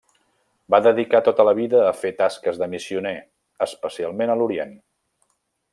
Va dedicar tota la vida a fer tasques de missioner, especialment a l'Orient.